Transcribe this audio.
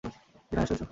টিনা, এসো এসো।